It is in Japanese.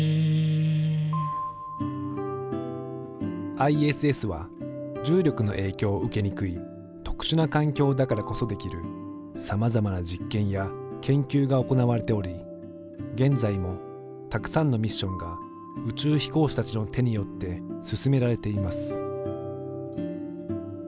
ＩＳＳは重力の影響を受けにくい特殊な環境だからこそできるさまざまな実験や研究が行われており現在もたくさんのミッションが宇宙飛行士たちの手によって進められています。